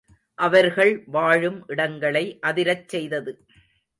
அவர்கள் வாழும் இடங்களை அதிரச் செய்தது.